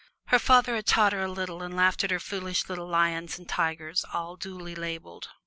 Her father had taught her a little and laughed at her foolish little lions and tigers, all duly labeled.